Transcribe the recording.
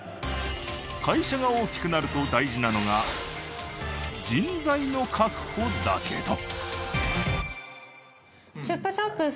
会社が大きくなると大事なのが人材の確保だけど。